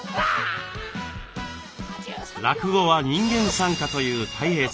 落語は人間賛歌というたい平さん。